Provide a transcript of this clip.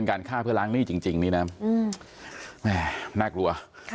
น่ากลัว